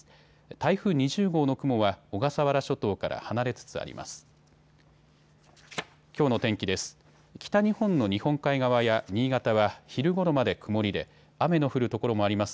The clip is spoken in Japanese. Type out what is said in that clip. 台風２０号の雲は小笠原諸島から離れつつあります。